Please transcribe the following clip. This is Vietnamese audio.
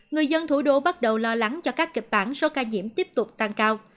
người dân thủ đô bắt đầu lo lắng cho các kịch bản số ca nhiễm tiếp tục tăng cao